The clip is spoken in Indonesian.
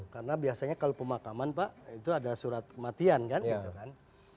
karena biasanya kalau pemakaman pak itu ada surat kematian kan gitu kan